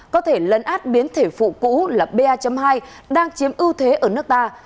có thể lấn át biến thể phụ cũ là ba hai đang chiếm ưu thế ở nước ta